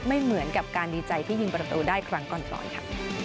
เหมือนกับการดีใจที่ยิงประตูได้ครั้งก่อนปล่อยค่ะ